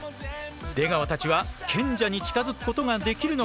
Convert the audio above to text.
出川たちは賢者に近づくことができるのか？